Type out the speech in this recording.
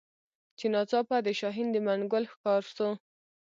چي ناڅاپه د شاهین د منګول ښکار سو